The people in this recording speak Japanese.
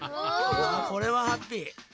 これはハッピー。